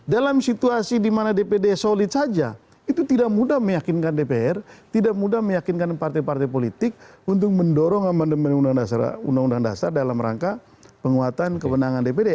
dalam situasi di mana dpd solid saja itu tidak mudah meyakinkan dpr tidak mudah meyakinkan partai partai politik untuk mendorong amandemen undang undang dasar dalam rangka penguatan kewenangan dpd